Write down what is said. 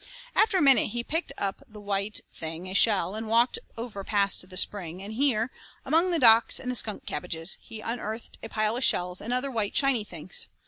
After a minute he picked up the white thing a shell and walked over past the spring, and here, among the docks and the skunk cabbages, he unearthed a pile of shells and other white, shiny things.